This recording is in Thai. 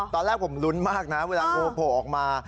ตอนแรกผมลุ้นมากนะเวลางูโผล่ออกมา